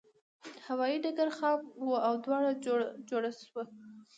هوایي ډګر خام و او دوړه جوړه شوه.